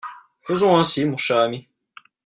Faisons ainsi mon cher ami.